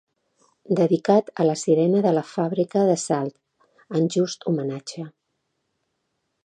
Dedicat a la sirena de la fàbrica de Salt, en just homenatge.